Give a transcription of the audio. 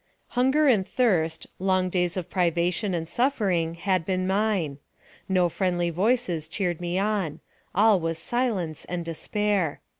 Hunger and thirst, long days of privation and AMONG THE SIOUX INDIANS. 213 suffering, had been mine. No friendly voices cheered me on; all was silence and despair.